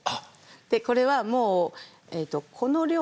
これはもうこの量の塩。